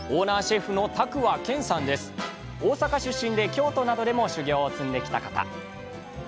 大阪出身で京都などでも修業を積んできた方。